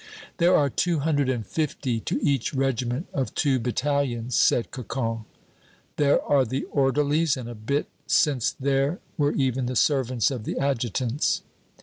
"There are two hundred and fifty to each regiment of two battalions," said Cocon. "There are the orderlies, and a bit since there were even the servants of the adjutants."